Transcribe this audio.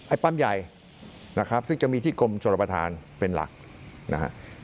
ปั๊มใหญ่นะครับซึ่งจะมีที่กรมชนประธานเป็นหลักนะฮะ